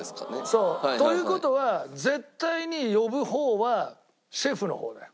そう。という事は絶対に呼ぶ方はシェフの方だよ。